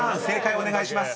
正解お願いします］